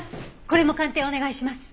これも鑑定お願いします。